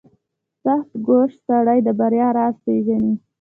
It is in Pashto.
• سختکوش سړی د بریا راز پېژني.